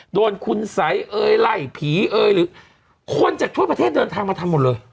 โดนคุณสัยเอ่ยไล่ผีเอ่ยหรือคนจากทั่วประเทศเดินทางมาทำหมดเลย